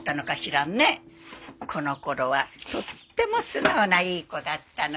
この頃はとっても素直ないい子だったのに。